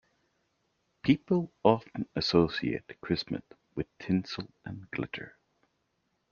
People often associate Christmas with tinsel and glitter.